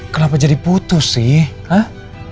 kenapa jadi putus sih